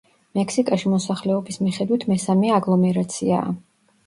მექსიკაში მოსახლეობის მიხედვით მესამე აგლომერაციაა.